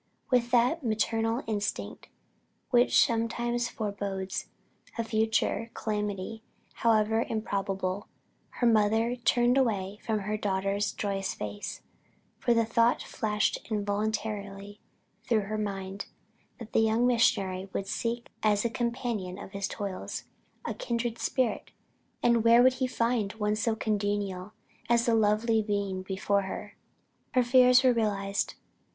With that maternal instinct which sometimes forebodes a future calamity however improbable, her mother turned away from her daughter's joyous face, for the thought flashed involuntarily through her mind, that the young missionary would seek as a companion of his toils, a kindred spirit; and where would he find one so congenial as the lovely being before her? Her fears were realized.